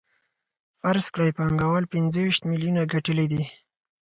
فرض کړئ پانګوال پنځه ویشت میلیونه ګټلي دي